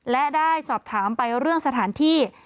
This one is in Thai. และได้สอบถามไปเรื่องสถานที่